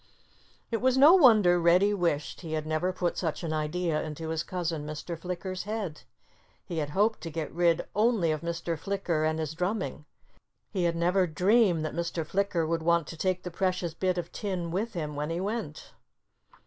It was no wonder Reddy wished he had never put such an idea into his cousin Mr. Flicker's head. He had hoped to get rid only of Mr. Flicker and his drumming. He had never dreamed that Mr. Flicker would want to take the precious bit of tin with him when he went.